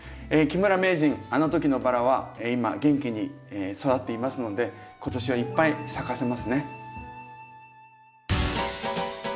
木村名人あの時のバラは今元気に育っていますので今年はいっぱい咲かせますね。